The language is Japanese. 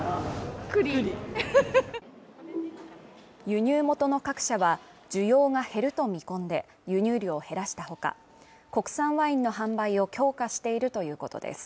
輸入元の各社は需要が減ると見込んで輸入量を減らしたほか国産ワインの販売を強化しているということです